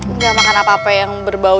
enggak makan apa apa yang berbau